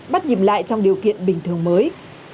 bắt nhìn lại trong điều kiện bình thường mới